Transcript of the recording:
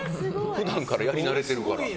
普段からやり慣れてるから。